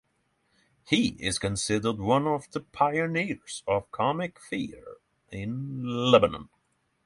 He is considered one of the pioneers of comic theater in Lebanon.